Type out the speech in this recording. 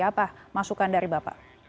apa masukan dari bapak